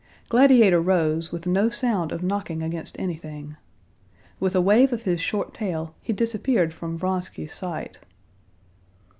Gladiator rose, with no sound of knocking against anything. With a wave of his short tail he disappeared from Vronsky's sight.